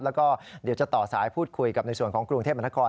แล้วก็เดี๋ยวจะต่อสายพูดคุยกับในส่วนของกรุงเทพมนคร